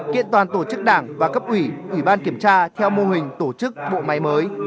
kiện toàn tổ chức đảng và cấp ủy ủy ban kiểm tra theo mô hình tổ chức bộ máy mới